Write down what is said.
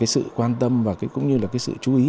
sự quan tâm và cũng như sự chú ý